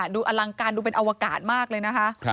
ดูอลังการดูเป็นอวกาศมากเลยนะคะ